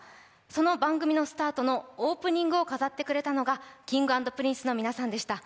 その番組のスタートのオープニングを飾ってくれたのがＫｉｎｇ＆Ｐｒｉｎｃｅの皆さんでした。